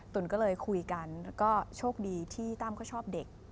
ตุ๋นก็เลยคุยกันแล้วก็โชคดีที่ตั้มก็ชอบเด็ก